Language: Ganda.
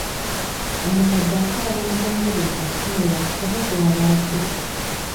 Omukadde akaaba omugongo buli kaseera oba gwaba ki?